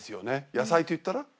野菜と言ったら？